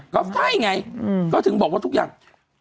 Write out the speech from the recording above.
ก็ใช่ไงก็ถึงบอกว่าทุกอย่าง